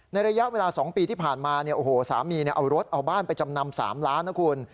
ระยะเวลา๒ปีที่ผ่านมาเนี่ยโอ้โหสามีเอารถเอาบ้านไปจำนำ๓ล้านนะคุณ